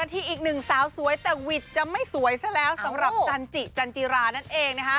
ที่อีกหนึ่งสาวสวยแต่วิทย์จะไม่สวยซะแล้วสำหรับจันจิจันจิรานั่นเองนะคะ